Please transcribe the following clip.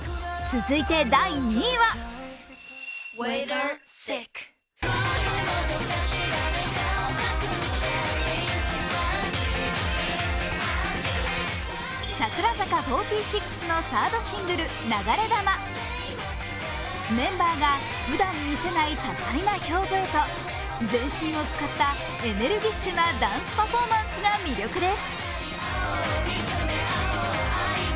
第２位は櫻坂４６のシングル「流れ弾」。メンバーがふだん見せない多彩な表情と全身を使ったエネルギッシュなダンスパフォーマンスが魅力です。